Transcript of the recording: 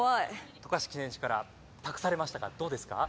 渡嘉敷選手から託されましたがどうですか？